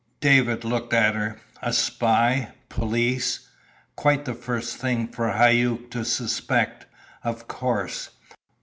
David looked at her. A spy? Police? Quite the first thing for Hauck to suspect, of course.